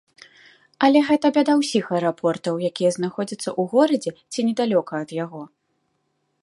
Але гэта бяда ўсіх аэрапортаў, якія знаходзяцца ў горадзе ці недалёка ад яго.